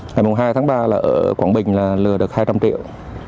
ngày hai tháng ba là ở quảng bình là lừa được hai trăm linh triệu